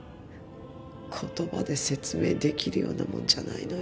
言葉で説明できるようなもんじゃないのよ。